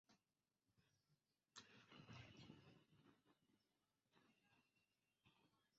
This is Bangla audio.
আসুর প্রকৃতির মানুষ মনে করে তাহারা দেহ।